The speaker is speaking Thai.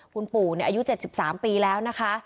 คุณปู่อายุ๗๓ปีแล้วนะคะ